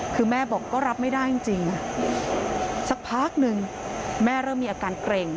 คือแม่บอกก็รับไม่ได้จริงสักพักหนึ่งแม่เริ่มมีอาการเกร็ง